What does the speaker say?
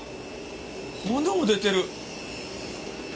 炎出てる！